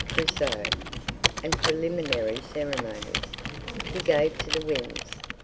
Trousseaux, and preliminary ceremonies, he gave to the winds.